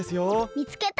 みつけた！